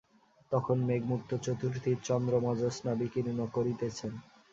তখন মেঘমুক্ত চতুর্থীর চন্দ্রমা জ্যোৎস্না বিকীর্ণ করিতেছেন।